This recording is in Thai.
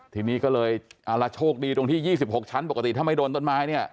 ทีนี้ก็เลยโชคดีตรงที่๒๖ชั้นปกติถ้าไม่โดนต้นไม้เนี่ย